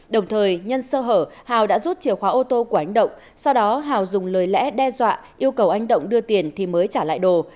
đồng thời nhân sơ hở hào đã rút chìa khóa ô tô của anh động sau đó hào dùng lời lẽ đe dọa yêu cầu anh động đưa tiền thì mới trả lại đồ